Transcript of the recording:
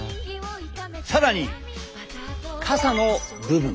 更に傘の部分。